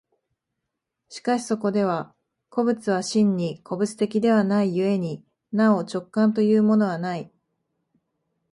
しかしそこでは個物は真に個物的ではない故になお直観というものはない。